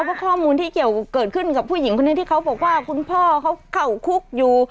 เพราะข้อมูลที่เกี่ยวเกิดขึ้นกับผู้หญิงคนนี้ที่เขาบอกว่าคุณพ่อเขาเข้าคุกอยู่